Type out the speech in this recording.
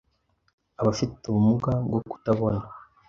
abafite ubumuga bwo kutabona